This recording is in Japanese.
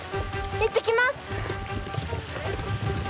いってきます。